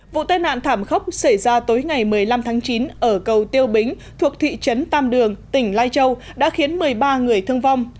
vụ tai nạn thảm khốc xảy ra tối ngày một mươi năm tháng chín ở cầu tiêu bính thuộc thị trấn tam đường tỉnh lai châu đã khiến một mươi ba người thương vong